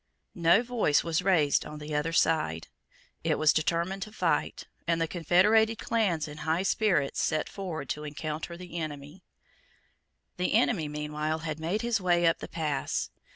No voice was raised on the other side. It was determined to fight; and the confederated clans in high spirits set forward to encounter the enemy. The enemy meanwhile had made his way up the pass.